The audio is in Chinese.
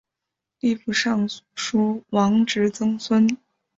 吏部尚书王直曾孙。